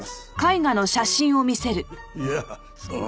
いやその。